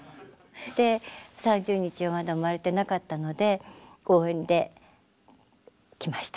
３０日はまだ産まれてなかったので応援で来ました。